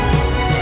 ini udah keras